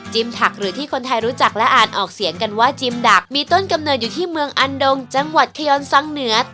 ถักหรือที่คนไทยรู้จักและอ่านออกเสียงกันว่าจิมดักมีต้นกำเนิดอยู่ที่เมืองอันดงจังหวัดขยอนซังเหนือ